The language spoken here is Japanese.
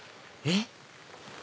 えっ？